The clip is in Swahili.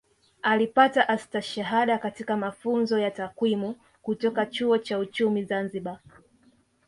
Alipata Astashada katika Mafunzo ya Takwimu kutoka Chuo cha Uchumi Zanzibar